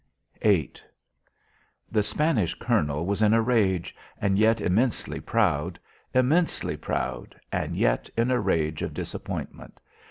VIII The Spanish colonel was in a rage, and yet immensely proud; immensely proud, and yet in a rage of disappointment.